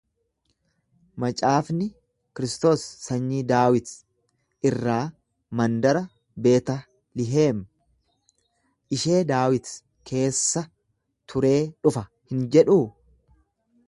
Macaafni, Kristos sanyii Daawit irraa, mandara Beetaliheem ishee Daawit keessa turee dhufa hin jedhuu?